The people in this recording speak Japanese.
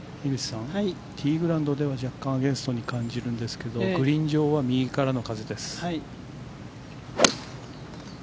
ティーグラウンドでは若干アゲンストに感じるんですがグリーン上は右からの風です。